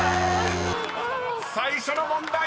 ［最初の問題